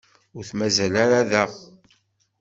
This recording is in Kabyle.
Ur t-mazal ara da.